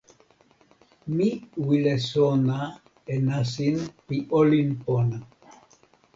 mi wile sona e nasin pi olin pona.